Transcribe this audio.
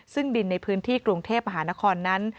ซึ่งดินในพื้นที่กรุงเทพมหานครนั้น